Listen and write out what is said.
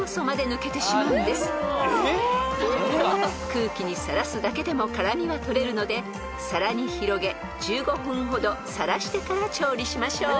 ［空気にさらすだけでも辛味は取れるので皿に広げ１５分ほどさらしてから調理しましょう］